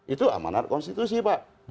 itu amanat konstitusi pak